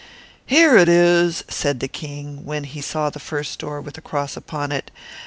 "Here it is," said the king, when they came to the first door with a cross on it.